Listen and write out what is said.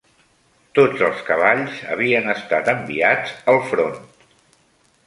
Tots els cavalls havien estat enviats al front